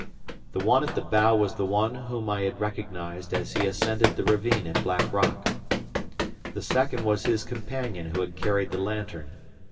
The one at the bow was he whom I had recognized as he ascended the ravine at Black Rock. The second was his companion who had carried the lantern.